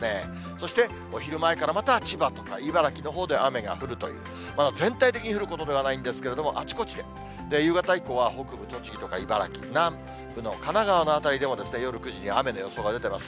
そして、お昼前からまた千葉とか、茨城のほうで雨が降るという、全体的に降るほどではないんですけれども、あちこちで、夕方以降は、北部、栃木とか茨城、南部の神奈川でも、夜９時に雨の予想が出てます。